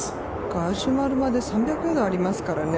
ガジュマルまで３００ヤードありますからね。